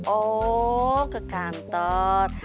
oh ke kantor